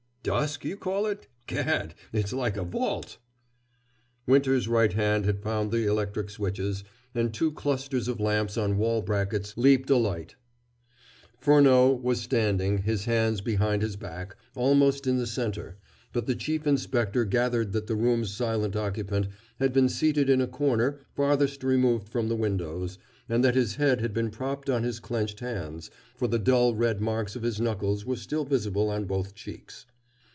"Dusk, you call it? Gad, it's like a vault!" Winter's right hand had found the electric switches, and two clusters of lamps on wall brackets leaped alight. Furneaux was standing, his hands behind his back, almost in the center, but the Chief Inspector gathered that the room's silent occupant had been seated in a corner farthest removed from the windows, and that his head had been propped on his clenched hands, for the dull red marks of his knuckles were still visible on both cheeks.